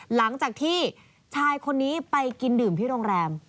หลังจากที่ชายคนนี้ไปกินดื่มที่โรงแรม